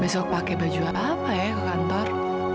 besok pakai baju apa ya ke kantor